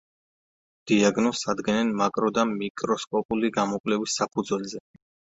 დიაგნოზს ადგენენ მაკრო და მიკროსკოპული გამოკვლევის საფუძველზე.